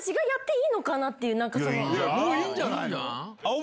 いいんじゃないの。